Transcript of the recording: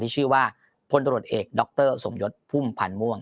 ที่ชื่อว่าพลตรวจเอกด๊อคเตอร์สมยศพุ่มผันม่วง